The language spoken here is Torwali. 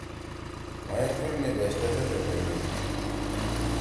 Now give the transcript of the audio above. مھوئے کُول می بیشتے دݜے پھیگنیِن۔